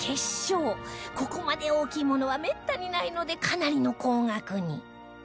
ここまで大きいものはめったにないのでかなりの高額に